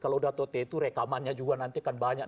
kalau sudah otomatis itu rekamannya juga nanti akan banyak